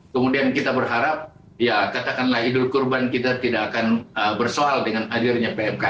kemudian kita berharap ya katakanlah idul kurban kita tidak akan bersoal dengan hadirnya pmk